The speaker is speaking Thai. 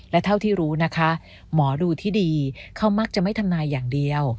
และเท่าที่รู้นะคะหมอดูที่ดีเขามักจะไม่ทำนายอย่างเดียว